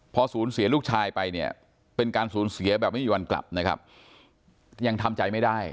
พอสูญเสียลูกชายไปเนี่ยเป็นการสูญเสียแบบไม่มีวันกลับนะครับยังทำใจไม่ได้